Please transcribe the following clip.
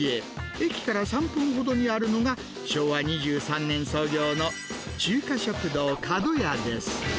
駅から３分ほどにあるのが、昭和２３年創業の中華食堂かどやです。